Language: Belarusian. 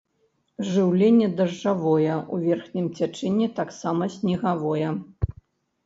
Жыўленне дажджавое, у верхнім цячэнні таксама снегавое.